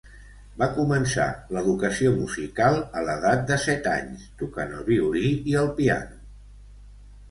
Va començar l'educació musical a l'edat de set anys, tocant el violí i el piano.